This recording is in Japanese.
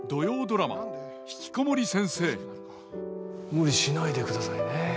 無理しないでくださいね。